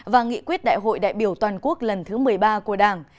và nghị quyết đại hội đại biểu toàn quốc lần thứ một mươi ba của đảng